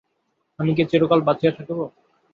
আমি কি চিরকাল বাঁচিয়া থাকিব?